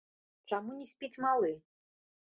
Чаму не спіць малы?